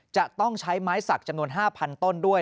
จะต้องใช้ไม้สักจำนวน๕๐๐ต้นด้วย